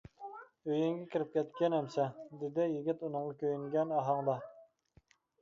-ئۆيۈڭگە كىرىپ كەتكىن ئەمىسە، -دېدى يىگىت ئۇنىڭغا كۆيۈنگەن ئاھاڭدا.